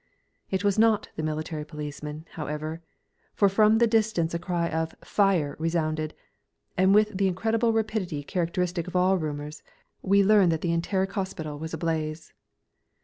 It was not the military policemen, however, for from the distance a cry of "Fire!" resounded, and with the incredible rapidity characteristic of all rumours we learned that the Enteric Hospital was ablaze.